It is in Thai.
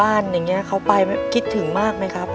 อยู่บ้านอย่างเงี้ยเค้าไปคิดถึงมากไหมครับ